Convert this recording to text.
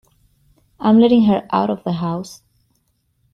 I'm letting her out of the house.